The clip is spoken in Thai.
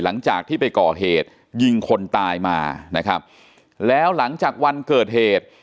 หลังจากที่ไปก่อเหตุยิงคนตายมานะครับแล้วหลังจากวันเกิดเหตุ